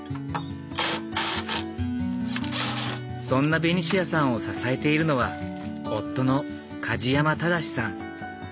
そんなベニシアさんを支えているのは夫の梶山正さん。